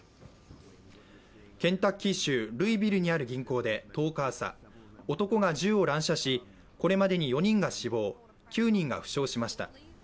ケンタッキー州ルイビルにある銀行で１０日朝、男が銃を乱射し、これまでに４人が死亡、９人が負傷しました。